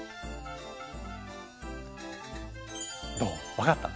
わかった？